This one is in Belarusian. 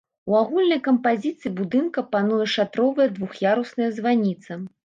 У агульнай кампазіцыі будынка пануе шатровая двух'ярусная званіца.